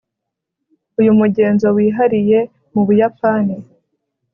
uyu mugenzo wihariye mubuyapani